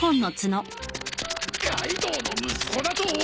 カイドウの息子だと！